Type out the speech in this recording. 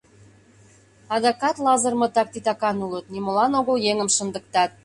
Адакат Лазырмытак титакан улыт, нимолан огыл еҥым шындыктат.